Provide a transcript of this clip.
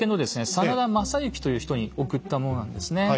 真田昌幸という人に送ったものなんですね。